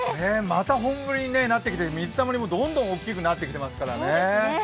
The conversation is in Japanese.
また本降りになってきて、水たまりもどんどん大きくなってきていますからね。